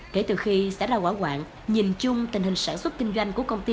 kể từ khi xảy ra quả quạng nhìn chung tình hình sản xuất kinh doanh của công ty